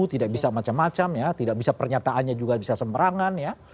tidak bisa macam macam ya tidak bisa pernyataannya juga bisa semerangan ya